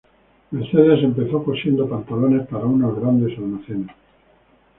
Mercedes empezó cosiendo pantalones para unos grandes almacenes.